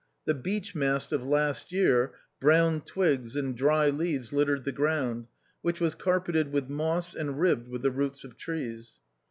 The beech mast of last year, brown twigs and dry leaves littered the ground, which was carpeted with moss and ribbed with the roots of trees.